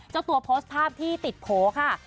เจ้าตัวโพสต์ภาพที่ติดโผล่ค่ะ